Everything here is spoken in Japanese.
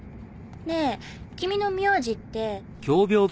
ねぇ君の名字って。